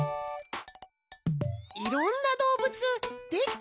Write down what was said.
いろんなどうぶつできちゃった！